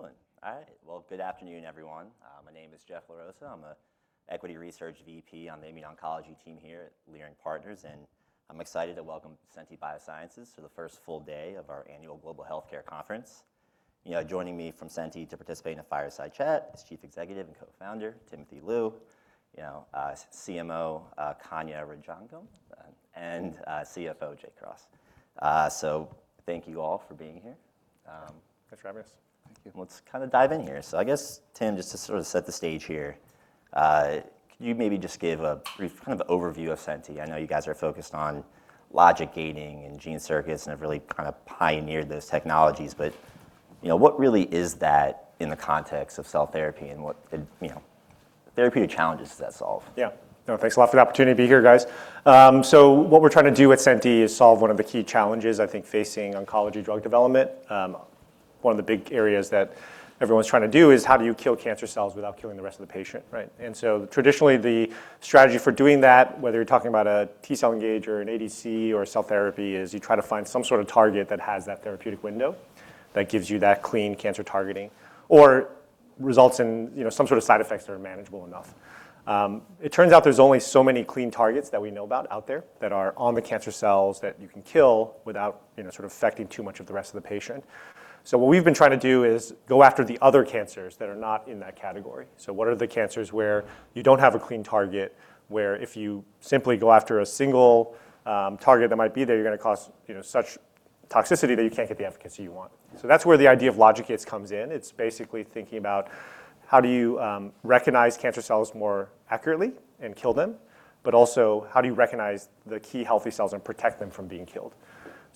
Excellent. All right. Well, good afternoon, everyone. My name is Jeff La Rosa. I'm an Equity Research VP on the immuno-oncology team here at Leerink Partners, and I'm excited to welcome Senti Biosciences for the first full day of our annual Global Healthcare Conference. You know, joining me from Senti to participate in a fireside chat is Chief Executive and Co-Founder, Timothy Lu, you know, CMO, Kanya Rajangam, and CFO, Jay Cross. Thank you all for being here. Thanks for having us. Let's kind of dive in here. I guess, Tim, just to sort of set the stage here, could you maybe just give a brief kind of overview of Senti? I know you guys are focused on logic gating and gene circuits, and have really kind of pioneered those technologies. You know, what really is that in the context of cell therapy and what could, you know, therapeutic challenges does that solve? Yeah. No, thanks a lot for the opportunity to be here, guys. What we're trying to do at Senti is solve one of the key challenges, I think, facing oncology drug development. One of the big areas that everyone's trying to do is how do you kill cancer cells without killing the rest of the patient, right? Traditionally, the strategy for doing that, whether you're talking about a T-cell engager, an ADC or a cell therapy, is you try to find some sort of target that has that therapeutic window that gives you that clean cancer targeting or results in, you know, some sort of side effects that are manageable enough. It turns out there's only so many clean targets that we know about out there that are on the cancer cells that you can kill without, you know, sort of affecting too much of the rest of the patient. What we've been trying to do is go after the other cancers that are not in that category. What are the cancers where you don't have a clean target, where if you simply go after a single target that might be there, you're gonna cause, you know, such toxicity that you can't get the efficacy you want. That's where the idea of logic gates comes in. It's basically thinking about how do you recognize cancer cells more accurately and kill them, but also how do you recognize the key healthy cells and protect them from being killed.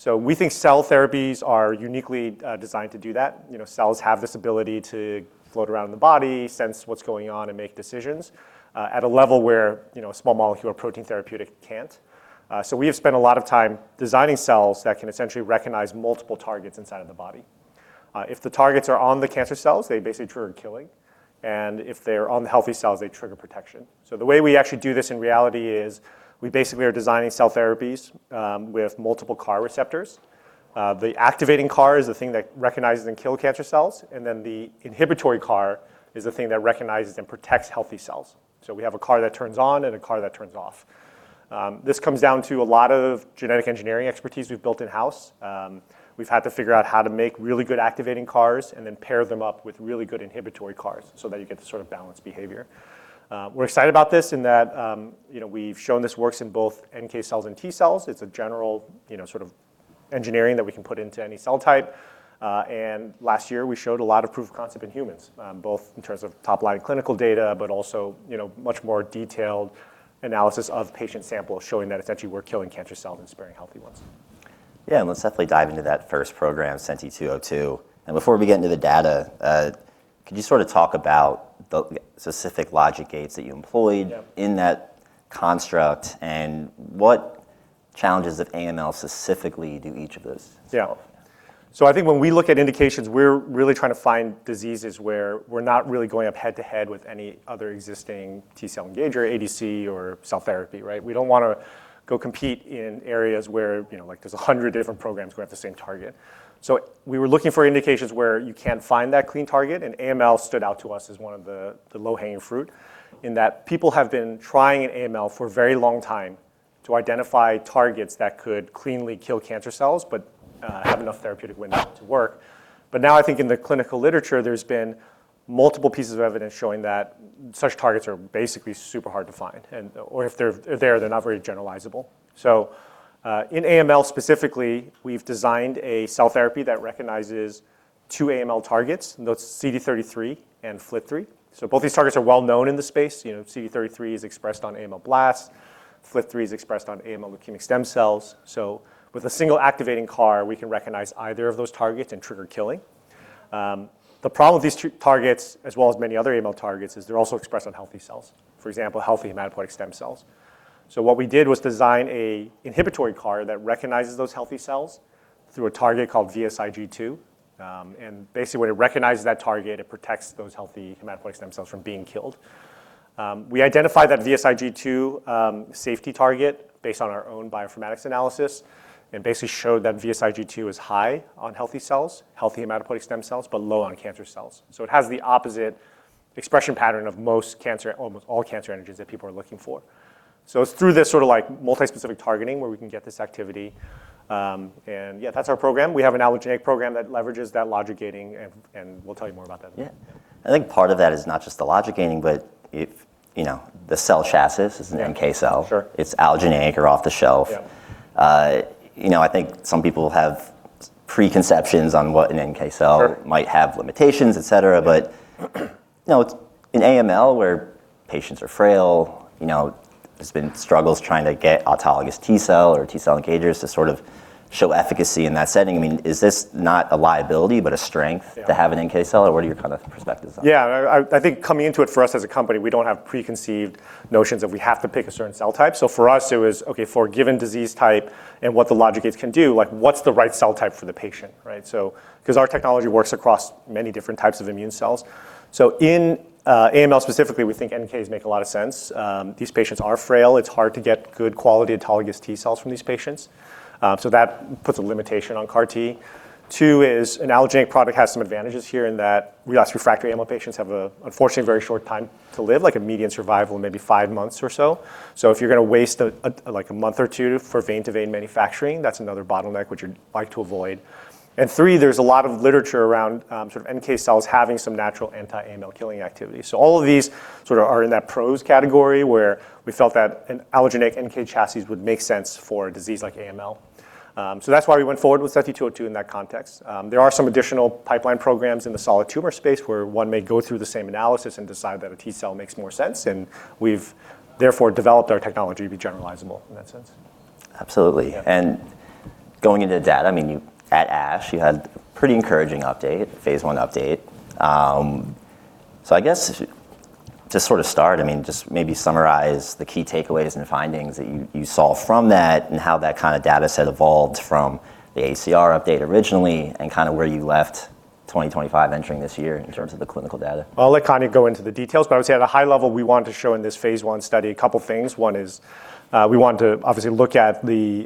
We think cell therapies are uniquely designed to do that. You know, cells have this ability to float around in the body, sense what's going on, and make decisions at a level where, you know, a small molecule or protein therapeutic can't. We have spent a lot of time designing cells that can essentially recognize multiple targets inside of the body. If the targets are on the cancer cells, they basically trigger killing, and if they're on the healthy cells, they trigger protection. The way we actually do this in reality is we basically are designing cell therapies with multiple CAR receptors. The activating CAR is the thing that recognizes and kill cancer cells, and then the inhibitory CAR is the thing that recognizes and protects healthy cells. We have a CAR that turns on and a CAR that turns off. This comes down to a lot of genetic engineering expertise we've built in-house. We've had to figure out how to make really good activating CARs and then pair them up with really good inhibitory CARs so that you get this sort of balanced behavior. We're excited about this in that, you know, we've shown this works in both NK cells and T cells. It's a general, you know, sort of engineering that we can put into any cell type. Last year we showed a lot of proof of concept in humans, both in terms of top-line clinical data, but also, you know, much more detailed analysis of patient samples showing that essentially we're killing cancer cells and sparing healthy ones. Yeah, let's definitely dive into that first program, SENTI-202. Before we get into the data, could you sort of talk about the specific logic gates that you employed in that construct, and what challenges of AML specifically do each of those solve? Yeah. I think when we look at indications, we're really trying to find diseases where we're not really going up head to head with any other existing T-cell engager, ADC or cell therapy, right? We don't wanna go compete in areas where, you know, like, there's 100 different programs going after the same target. We were looking for indications where you can't find that clean target, and AML stood out to us as one of the low-hanging fruit in that people have been trying in AML for a very long time to identify targets that could cleanly kill cancer cells but have enough therapeutic window to work. Now I think in the clinical literature, there's been multiple pieces of evidence showing that such targets are basically super hard to find or if they're there, they're not very generalizable. In AML specifically, we've designed a cell therapy that recognizes two AML targets, and that's CD33 and FLT3. Both these targets are well known in the space. You know, CD33 is expressed on AML blasts. FLT3 is expressed on AML leukemic stem cells. With a single activating CAR, we can recognize either of those targets and trigger killing. The problem with these two targets, as well as many other AML targets, is they're also expressed on healthy cells, for example, healthy hematopoietic stem cells. What we did was design a inhibitory CAR that recognizes those healthy cells through a target called VSIG2. And basically when it recognizes that target, it protects those healthy hematopoietic stem cells from being killed. We identified that VSIG2 safety target based on our own bioinformatics analysis and basically showed that VSIG2 is high on healthy cells, healthy hematopoietic stem cells, but low on cancer cells. It has the opposite expression pattern of almost all cancer antigens that people are looking for. It's through this sort of, like, multi-specific targeting where we can get this activity. That's our program. We have an allogeneic program that leverages that logic gating and we'll tell you more about that later. Yeah. I think part of that is not just the logic gating, but if, you know, the cell chassis is an NK cell. Sure. It's allogeneic or off the shelf. Yeah. You know, I think some people have preconceptions on what an NK cell. Sure. Might have limitations, et cetera. You know, it's in AML where patients are frail. You know, there's been struggles trying to get autologous T cell or T-cell engagers to sort of show efficacy in that setting. I mean, is this not a liability, but a strength to have an NK cell? What are your kind of perspectives on that? Yeah. I think coming into it for us as a company, we don't have preconceived notions that we have to pick a certain cell type. For us it was, okay, for a given disease type and what the logic gates can do, like what's the right cell type for the patient, right? Because our technology works across many different types of immune cells. In AML specifically, we think NK's make a lot of sense. These patients are frail. It's hard to get good quality autologous T cells from these patients. That puts a limitation on CAR T. Two is an allogeneic product has some advantages here in that relapsed refractory AML patients have a unfortunately very short time to live, like a median survival of maybe five months or so. If you're gonna waste a like a month or two for vein-to-vein manufacturing, that's another bottleneck which you'd like to avoid. Three, there's a lot of literature around sort of NK cells having some natural anti-AML killing activity. All of these sort of are in that pros category where we felt that an allogeneic NK chassis would make sense for a disease like AML. That's why we went forward with SENTI-202 in that context. There are some additional pipeline programs in the solid tumor space where one may go through the same analysis and decide that a T cell makes more sense, and we've therefore developed our technology to be generalizable in that sense. Absolutely. Yeah. Going into data, I mean, you at ASH, you had pretty encouraging update, phase I update. I guess to sort of start, I mean, just maybe summarize the key takeaways and findings that you saw from that and how that kind of data set evolved from the AACR update originally and kind of where you left 2025 entering this year in terms of the clinical data. I'll let Kanya go into the details, but I would say at a high level, we want to show in this phase I study a couple things. One is, we want to obviously look at the,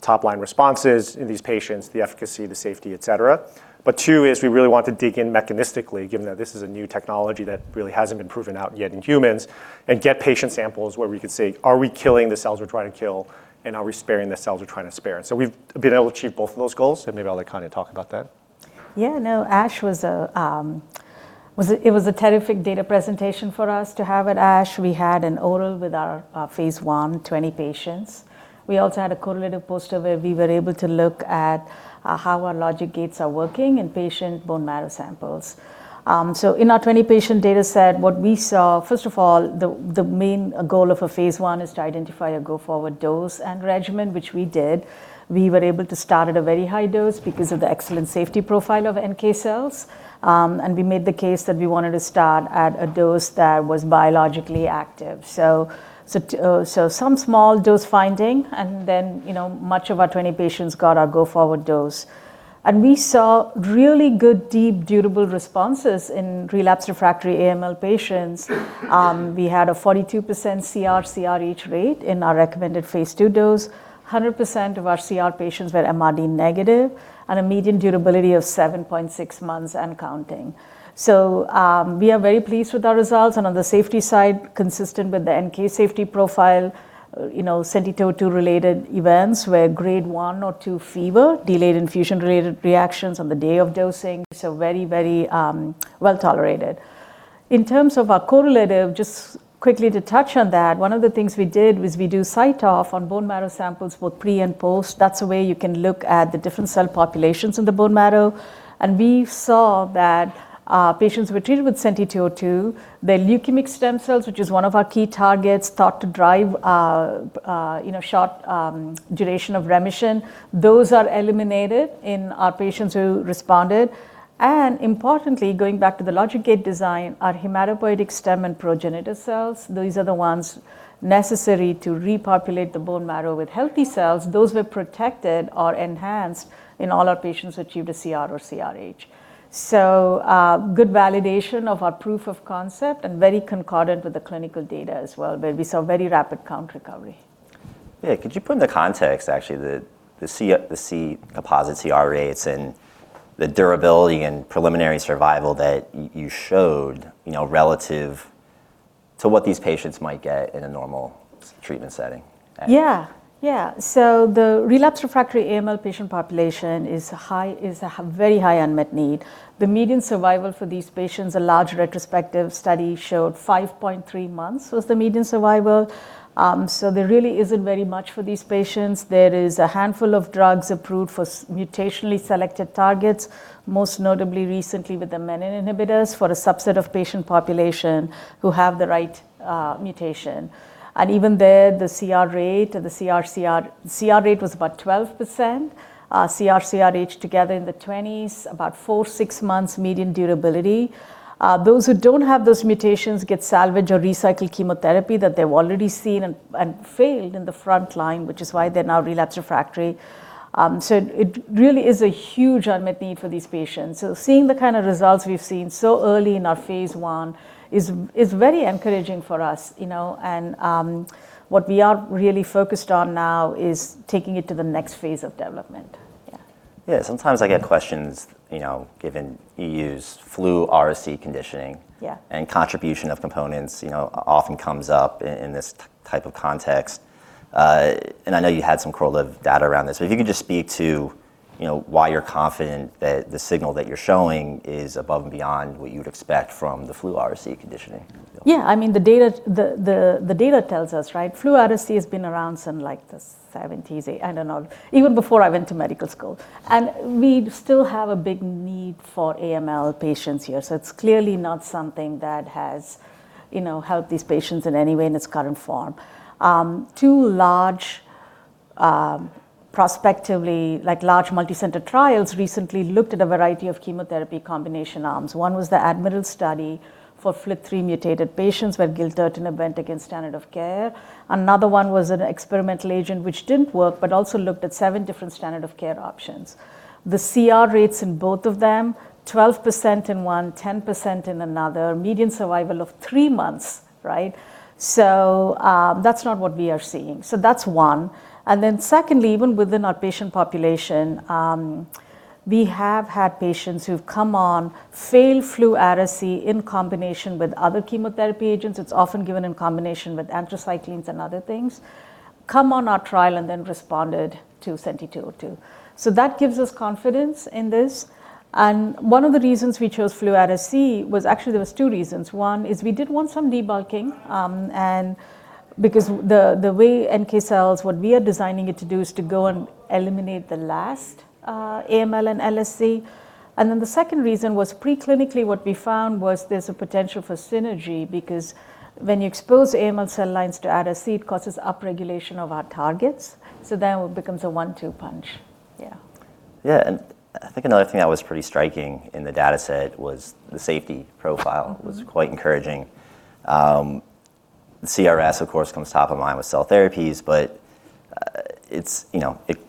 top line responses in these patients, the efficacy, the safety, et cetera. Two is we really want to dig in mechanistically, given that this is a new technology that really hasn't been proven out yet in humans, and get patient samples where we could say, "Are we killing the cells we're trying to kill, and are we sparing the cells we're trying to spare?" We've been able to achieve both of those goals, and maybe I'll let Kanya talk about that. It was a terrific data presentation for us to have at ASH. We had an oral with our phase I 20 patients. We also had a correlative poster where we were able to look at how our logic gates are working in patient bone marrow samples. In our 20-patient data set, what we saw, first of all, the main goal of a phase I is to identify a go-forward dose and regimen, which we did. We were able to start at a very high dose because of the excellent safety profile of NK cells. We made the case that we wanted to start at a dose that was biologically active. Some small dose finding and then, you know, much of our 20 patients got our go forward dose. We saw really good, deep, durable responses in relapsed refractory AML patients. We had a 42% CR/CRh rate in our recommended phase II dose. 100% of our CR patients were MRD negative and a median durability of 7.6 months and counting. We are very pleased with our results. On the safety side, consistent with the NK safety profile, you know, SENTI-202 related events were Grade 1 or 2 fever, delayed infusion related reactions on the day of dosing. Very well-tolerated. In terms of our correlative, just quickly to touch on that, one of the things we did was we do CyTOF on bone marrow samples for pre and post. That's a way you can look at the different cell populations in the bone marrow. We saw that patients who were treated with SENTI-202, their leukemic stem cells, which is one of our key targets, start to drive, you know, short duration of remission. Those are eliminated in our patients who responded. Importantly, going back to the logic gate design, our hematopoietic stem and progenitor cells, these are the ones necessary to repopulate the bone marrow with healthy cells. Those were protected or enhanced in all our patients achieved a CR or CRh. Good validation of our proof of concept and very concordant with the clinical data as well, where we saw very rapid count recovery. Yeah. Could you put into context actually the composite CR rates and the durability and preliminary survival that you showed, you know, relative to what these patients might get in a normal treatment setting? Yeah. Yeah. The relapsed refractory AML patient population is a very high unmet need. The median survival for these patients, a large retrospective study showed 5.3 months was the median survival. There really isn't very much for these patients. There is a handful of drugs approved for mutationally selected targets, most notably recently with the menin inhibitors for a subset of patient population who have the right mutation. Even there, the CR rate was about 12%. CR/CRh together in the 20s, about four to six months median durability. Those who don't have those mutations get salvage or recycled chemotherapy that they've already seen and failed in the front line, which is why they're now relapsed refractory. It really is a huge unmet need for these patients. Seeing the kind of results we've seen so early in our phase I is very encouraging for us, you know. What we are really focused on now is taking it to the next phase of development. Yeah. Yeah, sometimes I get questions, you know, given you used fludarabine/cytarabine conditioning. Yeah And contribution of components, you know, often comes up in this type of context. I know you had some correlative data around this. If you could just speak to, you know, why you're confident that the signal that you're showing is above and beyond what you'd expect from the fludarabine/cytarabine conditioning. Yeah. I mean, the data tells us, right? Fludarabine/cytarabine has been around since like the 70s. I don't know, even before I went to medical school. We still have a big need for AML patients here. It's clearly not something that has, you know, helped these patients in any way in its current form. Two large, prospectively, like large multicenter trials recently looked at a variety of chemotherapy combination arms. One was the ADMIRAL study for FLT3-mutated patients where gilteritinib went against standard of care. Another one was an experimental agent which didn't work, but also looked at seven different standard of care options. The CR rates in both of them, 12% in one, 10% in another, median survival of three months, right? That's not what we are seeing. That's one. Secondly, even within our patient population, we have had patients who've come on fail fludarabine/cytarabine in combination with other chemotherapy agents, it's often given in combination with anthracyclines and other things, come on our trial and then responded to SENTI-202. That gives us confidence in this. One of the reasons we chose fludarabine/cytarabine was actually there was two reasons. One is we did want some debulking, and because the way NK cells, what we are designing it to do is to go and eliminate the last AML and LSC. The second reason was pre-clinically what we found was there's a potential for synergy because when you expose AML cell lines to cytarabine, it causes upregulation of our targets. It becomes a one-two punch. Yeah. Yeah. I think another thing that was pretty striking in the dataset was the safety profile was quite encouraging. CRS of course, comes top of mind with cell therapies, but, it's, you know, it, you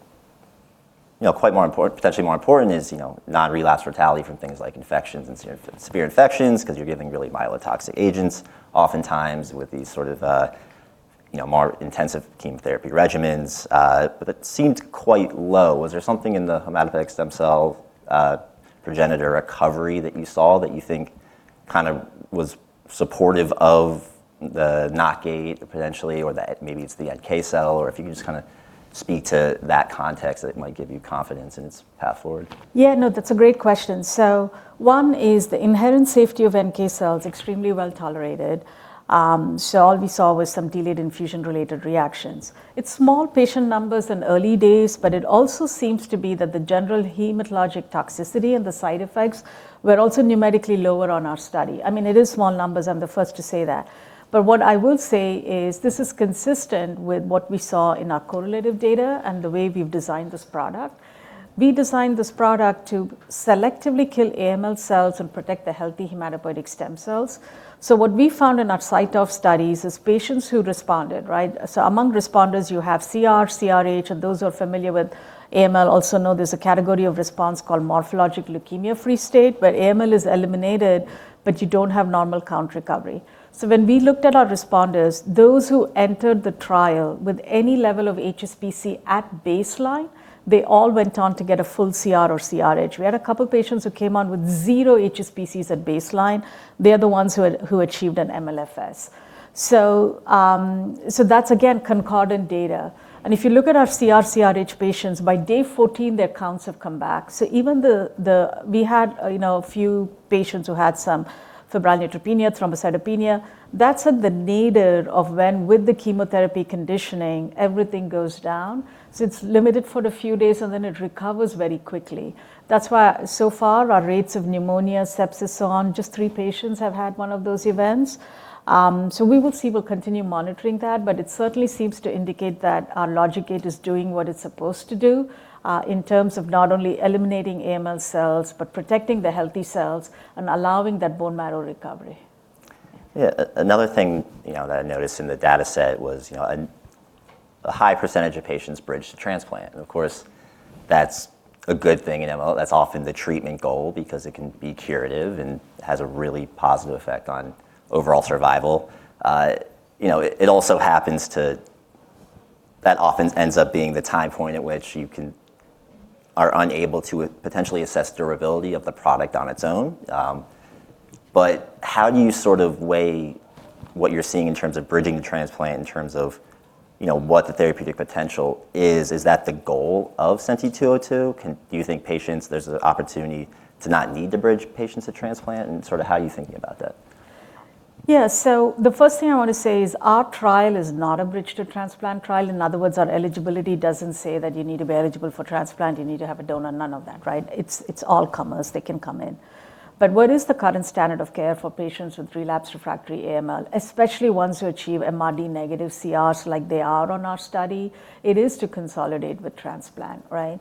know, quite potentially more important is, you know, non-relapse fatality from things like infections and severe infections 'cause you're giving really myelotoxic agents, oftentimes with these sort of, you know, more intensive chemotherapy regimens, but it seemed quite low. Was there something in the hematopoietic stem cell, progenitor recovery that you saw that you think kind of was supportive of the knock gate potentially? Or maybe it's the NK cell, or if you can just kinda speak to that context that might give you confidence in its path forward. Yeah, no, that's a great question. One is the inherent safety of NK cells extremely well-tolerated. All we saw was some delayed infusion related reactions. It's small patient numbers in early days, but it also seems to be that the general hematologic toxicity and the side effects were also numerically lower on our study. I mean, it is small numbers, I'm the first to say that. What I will say is this is consistent with what we saw in our correlative data and the way we've designed this product. We designed this product to selectively kill AML cells and protect the healthy hematopoietic stem cells. What we found in our CyTOF studies is patients who responded, right? Among responders you have CR, CRh, and those who are familiar with AML also know there's a category of response called morphological leukemia-free state, where AML is eliminated, but you don't have normal count recovery. When we looked at our responders, those who entered the trial with any level of HSPC at baseline, they all went on to get a full CR or CRh. We had a couple patients who came on with zero HSPCs at baseline. They're the ones who achieved an MLFS. That's again concordant data. If you look at our CR, CRh patients, by day 14 their counts have come back. Even we had, you know, a few patients who had some febrile neutropenia, thrombocytopenia, that's at the nadir of when with the chemotherapy conditioning everything goes down. It's limited for a few days and then it recovers very quickly. That's why so far our rates of pneumonia, sepsis, so on, just three patients have had one of those events. We will see. We'll continue monitoring that, but it certainly seems to indicate that our logic gate is doing what it's supposed to do, in terms of not only eliminating AML cells, but protecting the healthy cells and allowing that bone marrow recovery. Another thing, you know, that I noticed in the dataset was, you know, a high percentage of patients bridge to transplant, and of course that's a good thing in AML. That's often the treatment goal because it can be curative and has a really positive effect on overall survival. You know, it also happens to—that often ends up being the time point at which you are unable to potentially assess durability of the product on its own. How do you sort of weigh what you're seeing in terms of bridging the transplant in terms of, you know, what the therapeutic potential is? Is that the goal of SENTI-202? Do you think patients, there's an opportunity to not need to bridge patients to transplant and sort of how are you thinking about that? Yeah. The first thing I wanna say is our trial is not a bridge to transplant trial. In other words, our eligibility doesn't say that you need to be eligible for transplant, you need to have a donor. None of that, right? It's all comers, they can come in. What is the current standard of care for patients with relapsed refractory AML, especially ones who achieve MRD-negative CRs like they are on our study, it is to consolidate with transplant, right?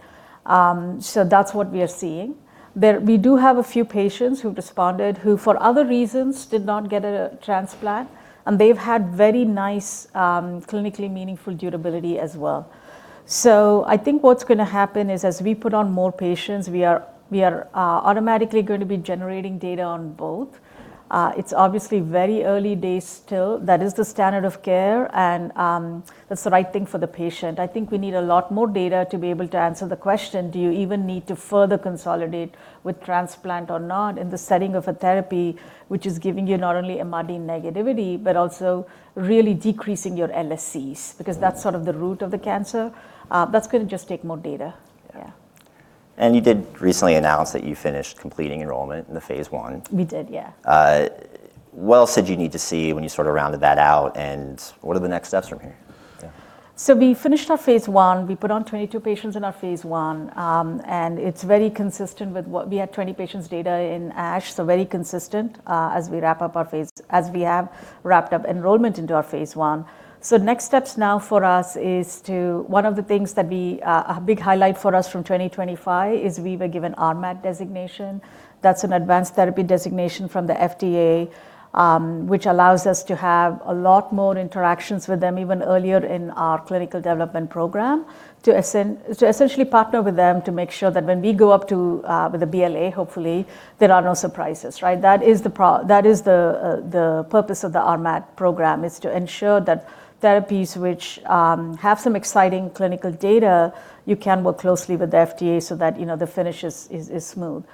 That's what we are seeing. We do have a few patients who've responded who for other reasons did not get a transplant, and they've had very nice, clinically meaningful durability as well. I think what's gonna happen is as we put on more patients, we are automatically going to be generating data on both. It's obviously very early days still. That is the standard of care and that's the right thing for the patient. I think we need a lot more data to be able to answer the question, do you even need to further consolidate with transplant or not in the setting of a therapy which is giving you not only MRD negativity, but also really decreasing your LSCs, because that's sort of the root of the cancer. That's gonna just take more data. Yeah. You did recently announce that you finished completing enrollment in the phase I. We did. Yeah. What else did you need to see when you sort of rounded that out, and what are the next steps from here? Yeah. We finished our phase I. We put on 22 patients in our phase I, and it's very consistent with what we had 20 patients data in ASH, very consistent as we have wrapped up enrollment into our phase I. Next steps now for us is to. One of the things that we, a big highlight for us from 2025 is we were given RMAT designation. That's an advanced therapy designation from the FDA, which allows us to have a lot more interactions with them even earlier in our clinical development program to essentially partner with them to make sure that when we go up to with the BLA, hopefully there are no surprises, right? That is the purpose of the RMAT program, is to ensure that therapies which have some exciting clinical data, you can work closely with the FDA so that, you know, the finish is smooth.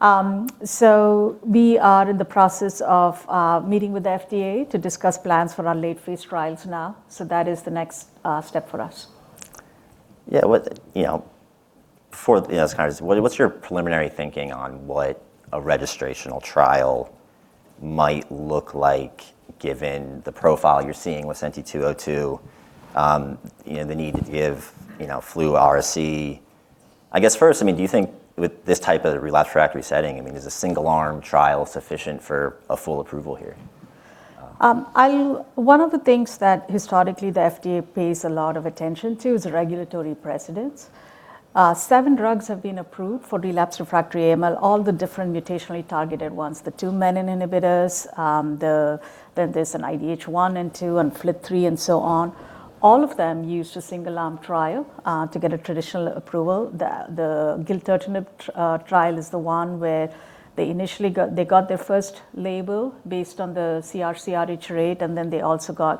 We are in the process of meeting with the FDA to discuss plans for our late phase trials now. That is the next step for us. Yeah. What, you know, before, you know, this kind of, what's your preliminary thinking on what a registrational trial might look like given the profile you're seeing with SENTI-202? You know, the need to give, you know, fludarabine/cytarabine. I guess first, I mean, do you think with this type of relapsed refractory setting, I mean, is a single-arm trial sufficient for a full approval here? One of the things that historically the FDA pays a lot of attention to is regulatory precedence. Seven drugs have been approved for relapsed refractory AML, all the different mutationally targeted ones, the two menin inhibitors, then there's an IDH1 and 2, and FLT3 and so on. All of them used a single-arm trial to get a traditional approval. Gilteritinib trial is the one where they got their first label based on the CR/CRh rate, and then they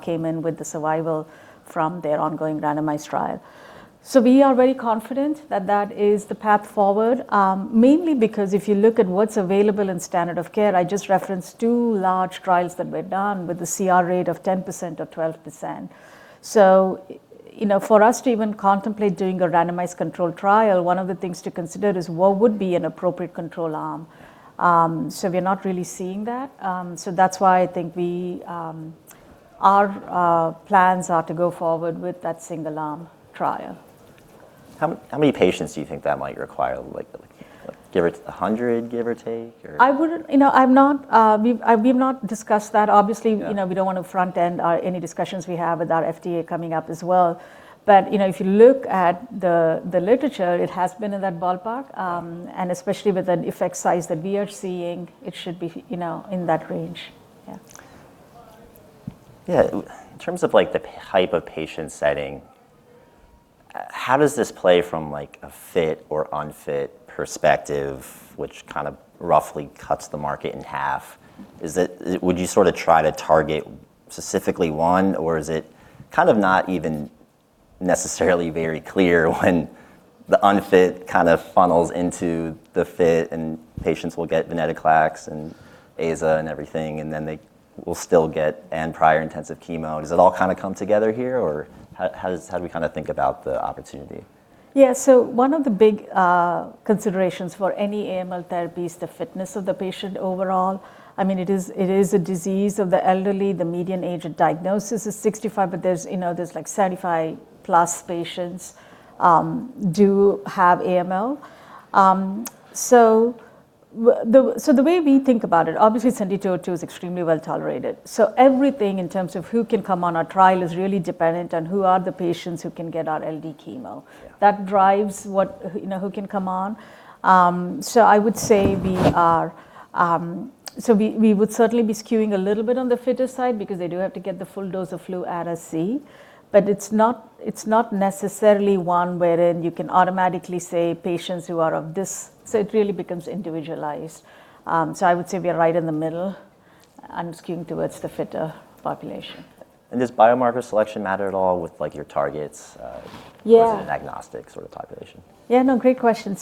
came in with the survival from their ongoing randomized trial. We are very confident that that is the path forward, mainly because if you look at what's available in standard of care, I just referenced two large trials that were done with a CR rate of 10% or 12%. You know, for us to even contemplate doing a randomized control trial, one of the things to consider is what would be an appropriate control arm. We are not really seeing that. That's why I think we, our plans are to go forward with that single-arm trial. How many patients do you think that might require? Like give or 100, give or take? You know, I'm not, we've not discussed that. You know, we don't wanna front end, any discussions we have with our FDA coming up as well. You know, if you look at the literature, it has been in that ballpark. Especially with an effect size that we are seeing, it should be, you know, in that range. Yeah. Yeah. In terms of like the type of patient setting, how does this play from like a fit or unfit perspective, which kind of roughly cuts the market in half? Would you sort of try to target specifically one, or is it kind of not even necessarily very clear when the unfit kind of funnels into the fit and patients will get venetoclax and azacitidine and everything, and then they will still get and prior intensive chemo? Does it all kinda come together here, or how do we kinda think about the opportunity? Yeah. One of the big considerations for any AML therapy is the fitness of the patient overall. I mean, it is a disease of the elderly. The median age at diagnosis is 65, but there's, you know, like 75+ patients do have AML. So the way we think about it, obviously SENTI-202 is extremely well-tolerated. Everything in terms of who can come on our trial is really dependent on who are the patients who can get our low-dose chemotherapy. Yeah. That drives what, you know, who can come on. I would say we are, so we would certainly be skewing a little bit on the fitter side because they do have to get the full dose of fludarabine/cytarabine. It's not necessarily one wherein you can automatically say patients who are of this. It really becomes individualized. I would say we are right in the middle and skewing towards the fitter population. Does biomarker selection matter at all with like your targets? Yeah or is it an agnostic sort of population? Yeah, no, great question.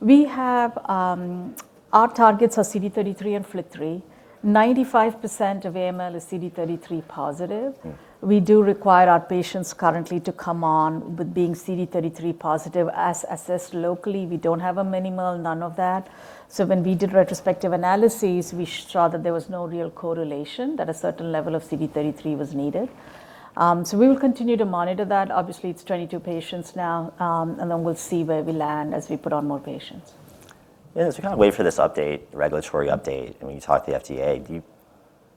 We have, our targets are CD33 and FLT3. Ninety percent of AML is CD33 positive. We do require our patients currently to come on with being CD33 positive as assessed locally. We don't have a minimal, none of that. When we did retrospective analyses, we saw that there was no real correlation, that a certain level of CD33 was needed. We will continue to monitor that. Obviously, it's 22 patients now, we'll see where we land as we put on more patients. Yeah. As we kinda wait for this update, regulatory update, I mean, you talked to the FDA, do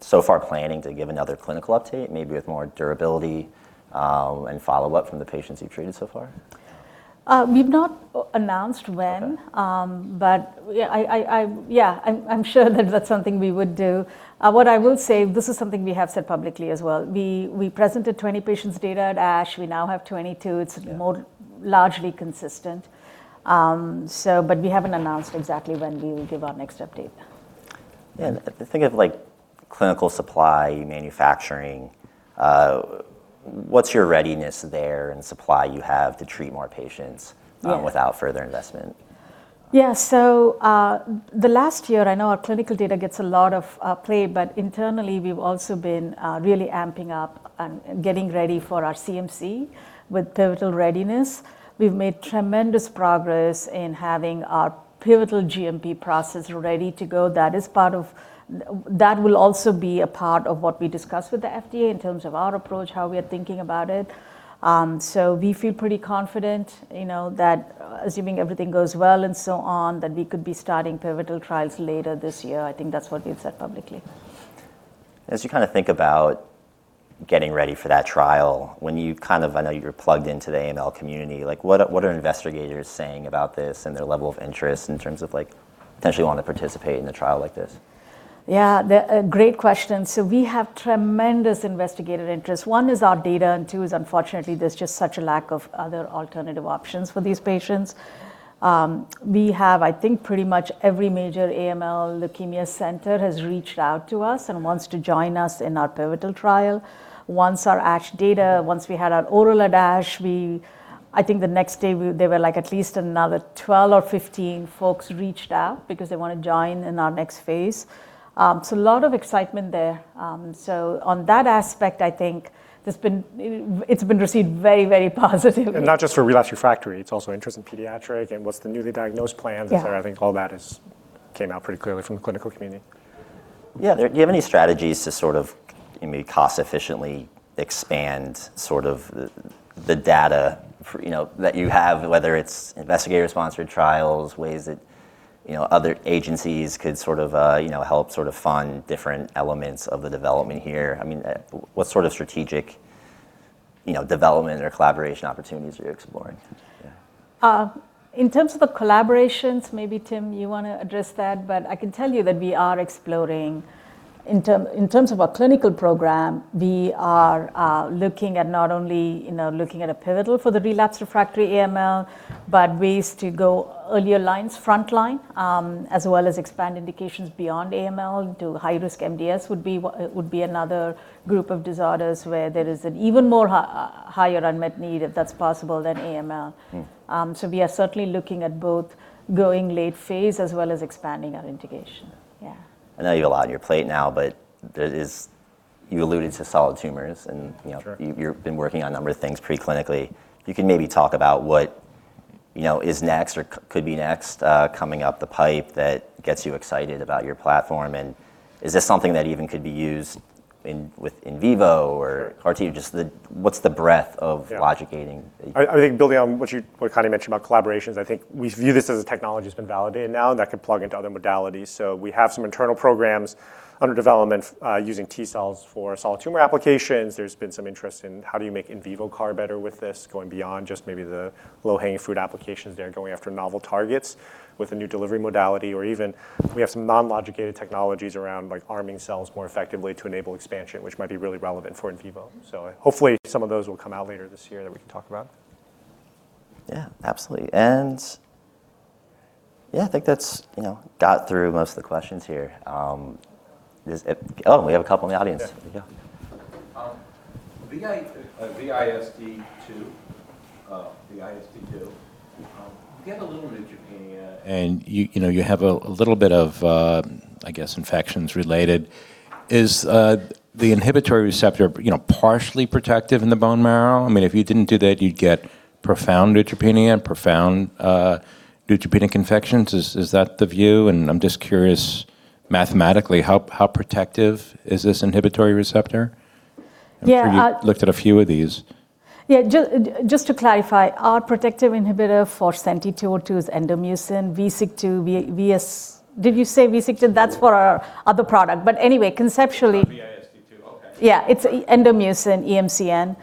you so far planning to give another clinical update, maybe with more durability, and follow-up from the patients you've treated so far? We've not announced when. Okay. Yeah, I, yeah, I'm sure that that's something we would do. What I will say, this is something we have said publicly as well. We presented 20 patients data at ASH. We now have 22. Yeah. It's more largely consistent. We haven't announced exactly when we will give our next update. Yeah. The thing of like clinical supply, manufacturing, what's your readiness there and supply you have to treat more patients without further investment? The last year, I know our clinical data gets a lot of play, but internally, we've also been really amping up and getting ready for our CMC with pivotal readiness. We've made tremendous progress in having our pivotal GMP process ready to go. That will also be a part of what we discuss with the FDA in terms of our approach, how we are thinking about it. We feel pretty confident, you know, that assuming everything goes well and so on, that we could be starting pivotal trials later this year. I think that's what we've said publicly. As you kind of think about getting ready for that trial, I know you're plugged into the AML community, like what are investigators saying about this and their level of interest in terms of like potentially wanting to participate in a trial like this? Yeah. A great question. We have tremendous investigator interest. One is our data, and two is unfortunately there's just such a lack of other alternative options for these patients. We have, I think pretty much every major AML leukemia center has reached out to us and wants to join us in our pivotal trial. Once our ASH data, once we had our oral at ASH, I think the next day they were like at least another 12 or 15 folks reached out because they wanna join in our next phase. A lot of excitement there. On that aspect, I think there's been, it's been received very, very positively. Not just for relapsed/refractory, it's also interest in pediatric, and what's the newly diagnosed plans, et cetera. I think all that is came out pretty clearly from the clinical community. Yeah. Do you have any strategies to sort of maybe cost efficiently expand sort of the data for, you know, that you have, whether it's investigator sponsored trials, ways that, you know, other agencies could sort of help sort of fund different elements of the development here? I mean, what sort of strategic, you know, development or collaboration opportunities are you exploring? Yeah. In terms of the collaborations, maybe Tim, you wanna address that? I can tell you that we are exploring. In terms of our clinical program, we are looking at not only, you know, looking at a pivotal for the relapsed/refractory AML, but ways to go earlier lines, frontline, as well as expand indications beyond AML to high risk MDS would be another group of disorders where there is an even more higher unmet need, if that's possible, than AML. We are certainly looking at both going late phase as well as expanding our indication. Yeah. I know you've a lot on your plate now, but there is—you alluded to solid tumors and, you know, you've been working on a number of things preclinically. If you can maybe talk about what, you know, is next or could be next coming up the pipe that gets you excited about your platform. Is this something that even could be used in, with in vivo or RT, or just the, what's the breadth of logic gating? I think building on what Kanya mentioned about collaborations, I think we view this as a technology that's been validated now, and that could plug into other modalities. We have some internal programs under development using T cells for solid tumor applications. There's been some interest in how do you make in vivo CAR better with this, going beyond just maybe the low hanging fruit applications there, going after novel targets with a new delivery modality, or even we have some non-logic gated technologies around like arming cells more effectively to enable expansion, which might be really relevant for in vivo. Hopefully some of those will come out later this year that we can talk about. Yeah, absolutely. Yeah, I think that's, you know, got through most of the questions here. Oh, we have a couple in the audience. Yeah. Yeah. VSIG2, you have a little neutropenia and you know, you have a little bit of, I guess infections related. Is the inhibitory receptor, you know, partially protective in the bone marrow? I mean, if you didn't do that, you'd get profound neutropenia and profound neutropenic infections. Is that the view? I'm just curious mathematically, how protective is this inhibitory receptor? Yeah. I'm sure you've looked at a few of these. Yeah. Just to clarify, our protective inhibitor for SENTI-202 is endomucin. VSIG2, did you say VSIG2? Sure. That's for our other product. Anyway, conceptually— For VSIG2. Okay. Yeah. It's endomucin, EMCN.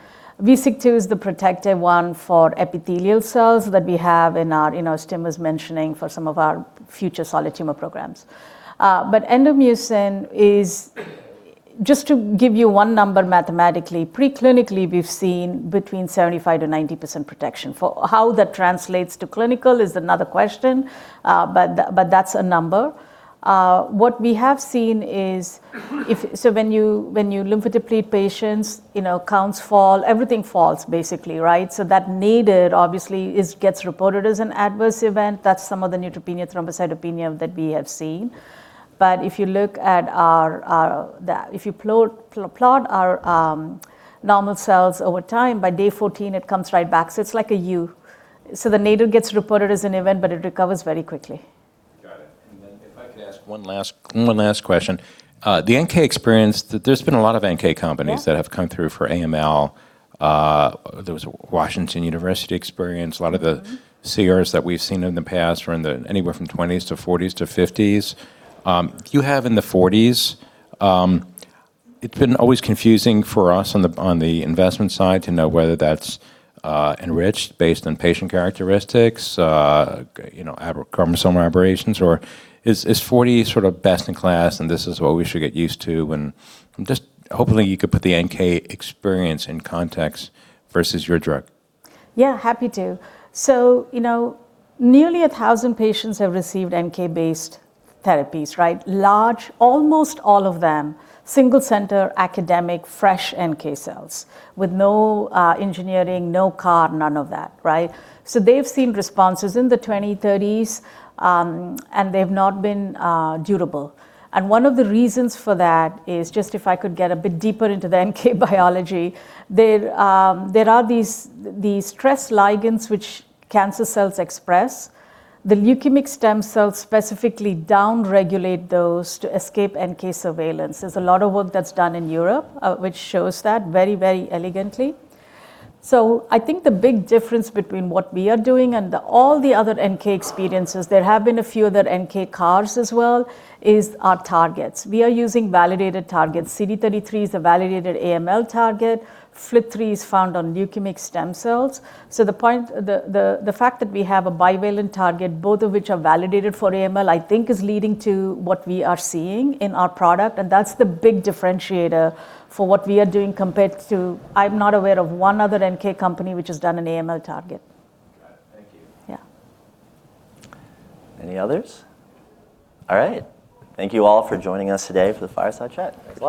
VSIG2 is the protective one for epithelial cells that we have in our, you know, as Tim was mentioning, for some of our future solid tumor programs. Endomucin is, just to give you one number mathematically, preclinically we've seen between 75%-90% protection. For how that translates to clinical is another question. But that's a number. What we have seen is if—when you, when you lymphodeplete patients, you know, counts fall, everything falls basically, right? That nadir obviously is gets reported as an adverse event. That's some of the neutropenia thrombocytopenia that we have seen. If you look at our, the—if you plot our normal cells over time, by day 14 it comes right back. It's like a U. The nadir gets reported as an event, but it recovers very quickly. Got it. Then if I could ask one last question. The NK experience, there's been a lot of NK companies— Yeah? That have come through for AML. There was a Washington University experience. A lot of the CRs that we've seen in the past were in the anywhere from 20s to 40s to 50s. You have in the 40s, it's been always confusing for us on the, on the investment side to know whether that's enriched based on patient characteristics, you know, chromosome aberrations, or is 40 sort of best in class, and this is what we should get used to when—just hopefully you could put the NK experience in context versus your drug. Yeah, happy to. You know, nearly 1,000 patients have received NK-based therapies, right? Almost all of them, single center academic fresh NK cells with no engineering, no CAR, none of that, right? They've seen responses in the 20s, 30s, and they've not been durable. One of the reasons for that is, just if I could get a bit deeper into the NK biology, there are these stress ligands, which cancer cells express. The leukemic stem cells specifically down-regulate those to escape NK surveillance. There's a lot of work that's done in Europe, which shows that very, very elegantly. I think the big difference between what we are doing and the all the other NK experiences, there have been a few other NK CARs as well, is our targets. We are using validated targets. CD33 is a validated AML target. FLT3 is found on leukemic stem cells. The fact that we have a bivalent target, both of which are validated for AML, I think is leading to what we are seeing in our product, and that's the big differentiator for what we are doing compared to—I'm not aware of one other NK company which has done an AML target. Got it. Thank you. Yeah. Any others? All right. Thank you all for joining us today for the fireside chat. Thanks a lot.